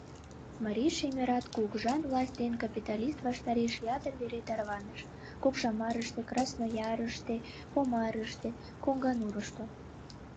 Марий шемерат кугыжан власть ден капиталист ваштареш ятыр вере тарваныш: Кокшамарыште, Красноярыште, Помарыште, Коҥганурышто...